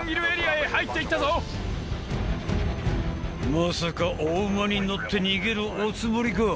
まさかお馬に乗って逃げるおつもりか？